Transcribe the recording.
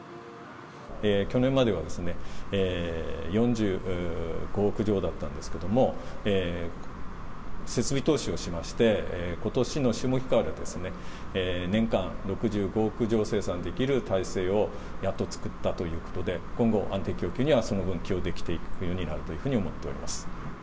去年までは、４５億錠だったんですけども、設備投資をしまして、ことしの下期から年間６５億錠生産できる体制をやっと作ったということで、今後、安定供給にはその分、寄与できていくようになるというふうに思ってます。